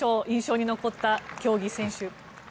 印象に残った競技、選手。